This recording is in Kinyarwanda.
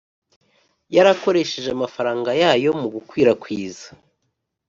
yarakoresheje amafaranga yayo mu gukwirakwiza